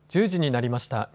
１０時になりました。